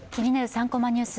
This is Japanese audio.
３コマニュース」